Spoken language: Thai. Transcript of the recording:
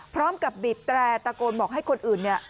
พร้อมกับบีบแตรตะโกนบอกให้คนอื่นเนี่ย